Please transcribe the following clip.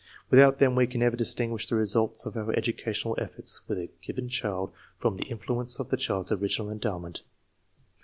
Without them we can never distinguish the results of our educational efforts with a given child from the influence of the child's original endowment.